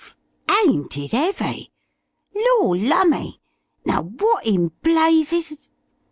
ain't it 'eavy! Lorlumme! Now, what in blazes